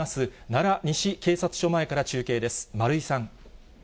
奈良西警察署前から中継です。